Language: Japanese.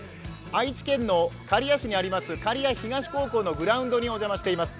愛知県の刈谷市にある刈谷東高校のグラウンドにお邪魔しています。